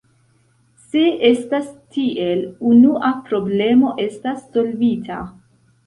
Se estas tiel, unua problemo estas solvita.